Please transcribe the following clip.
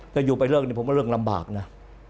ถ้าอยู่ไปเลิกนี่ผมว่าเรื่องลำบากนะ